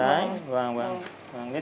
những cái này thì không tại vì cái này